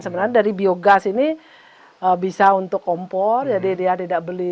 sebenarnya dari biogas ini bisa untuk kompor jadi dia tidak beli